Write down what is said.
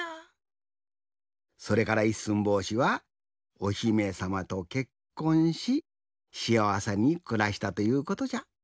それから一寸法師はおひめさまとけっこんししあわせにくらしたということじゃ。